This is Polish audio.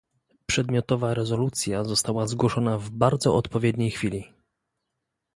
Przedmiotowa rezolucja została zgłoszona w bardzo odpowiedniej chwili